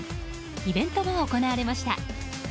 イベントが行われました。